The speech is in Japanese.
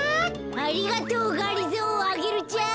ありがとうがりぞーアゲルちゃん。